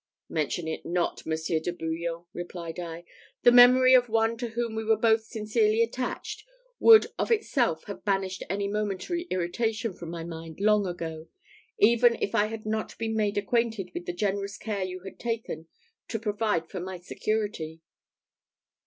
"Mention it not, Monsieur de Bouillon," replied I: "the memory of one to whom we were both sincerely attached, would of itself have banished any momentary irritation from my mind long ago, even if I had not been made acquainted with the generous care you had taken to provide for my security."